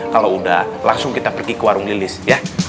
kalau udah langsung kita pergi ke warung lilis ya